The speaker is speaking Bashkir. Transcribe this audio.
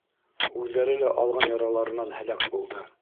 Үҙҙәре лә алған яраларынан һәләк булды.